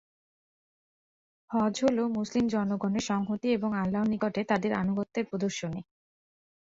হজ হ'ল মুসলিম জনগণের সংহতি, এবং আল্লাহর নিকটে তাদের আনুগত্যের প্রদর্শনী।